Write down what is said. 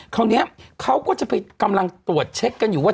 เขาก็จะไปกำลังตรวจเช็คกันอยู่ว่า